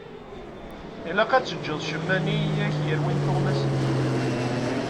Ilaq ad teǧǧeḍ ccemma-nni i ak-yerwin tuɣmas-ik.